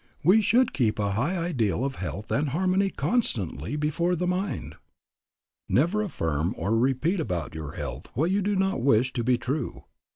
We should keep a high ideal of health and harmony constantly before the mind. ... "Never affirm or repeat about your health what you do not wish to be true.